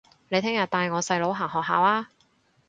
你聽日帶我細佬行學校吖